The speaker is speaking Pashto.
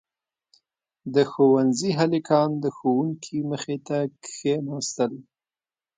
• د ښونځي هلکان د ښوونکي مخې ته کښېناستل.